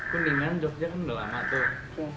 kuningan jogja kan udah lama tuh